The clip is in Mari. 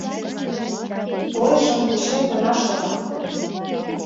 Ойжым вучен гына шогат.